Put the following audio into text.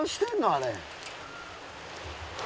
あれ。